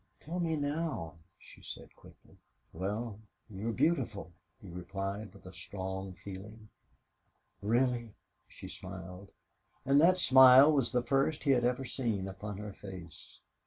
"Tell me now," she said, quickly. "Well, you're beautiful," he replied, with strong feeling. "Really?" she smiled, and that smile was the first he had ever seen upon her face.